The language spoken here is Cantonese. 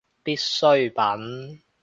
必需品